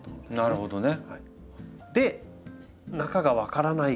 なるほどね。